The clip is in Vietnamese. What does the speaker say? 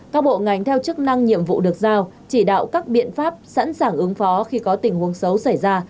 các bộ ngành theo chức năng nhiệm vụ được giao chỉ đạo các biện pháp sẵn sàng ứng phó khi có tình huống xấu xảy ra